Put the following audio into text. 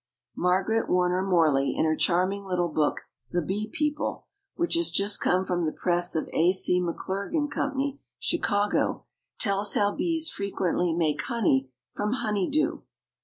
Margaret Warner Morley, in her charming little book, "The Bee People," which has just come from the press of A. C. McClurg & Co., Chicago, tells how bees frequently make honey from "honey dew."